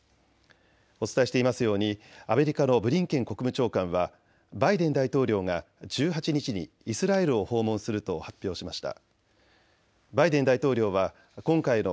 お伝えしていますようにアメリカのブリンケン国務長官はバイデン大統領が１８日にイスラエルを訪問すると発表しました。